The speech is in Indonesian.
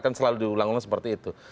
kan selalu diulang ulang seperti itu